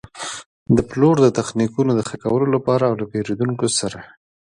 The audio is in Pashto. د پلور د تخنیکونو د ښه کولو لپاره او له پېرېدونکو سره.